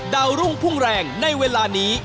ดาวรุ่งพุ่งแรงในเวลานี้